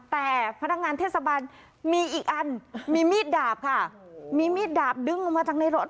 แต่พนักงานเทศบาลมีอีกอันมีมีดดาบค่ะมีมีดดาบดึงออกมาจากในรถ